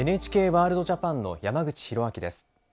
「ＮＨＫワールドＪＡＰＡＮ」の山口寛明です。